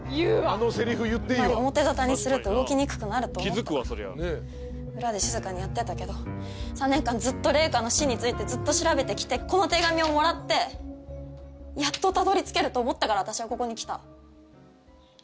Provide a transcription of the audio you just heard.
あんまり表沙汰にすると動きにくくなると思ったから裏で静かにやってたけど３年間ずっと玲香の死についてずっと調べてきてこの手紙をもらってやっとたどり着けると思ったから私はここに来た。